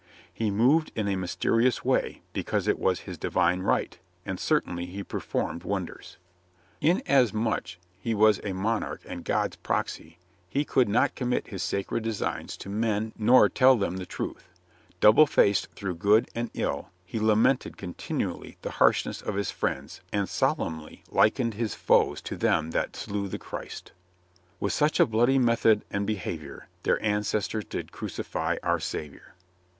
He moved in a mysterious way, because it was his di vine right, and certainly he performed wonders. Inasmuch as he was a monarch and God's proxy, he could not commit his sacred designs to men nor INGEMINATING PEACE 157 tell them the truth. Double faced through good and ill, he lamented continually the harshness of his friends and solemnly likened his foes to them that slew the Christ. With such a bloody method and behavior Their ancestors did crucify our Saviour!